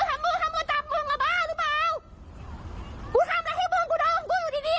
ทำมือทำมาจับมึงมาบ้าหรือเปล่ากูทำอะไรให้มึงกูดอมกูอยู่ทีนี้